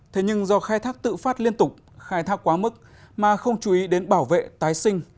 thế nhưng do khai thác tự phát liên tục khai thác quá mức mà không chú ý đến bảo vệ tái sinh